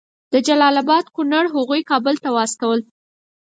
د جلال آباد ګورنر هغوی کابل ته واستول.